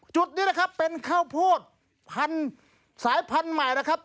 จุดนี้นะครับเป็นข้าวโพดพันธุ์สายพันธุ์ใหม่นะครับ